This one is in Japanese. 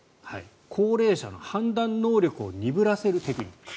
高齢者の判断能力を鈍らせるテクニック。